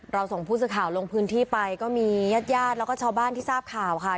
ส่งผู้สื่อข่าวลงพื้นที่ไปก็มีญาติญาติแล้วก็ชาวบ้านที่ทราบข่าวค่ะ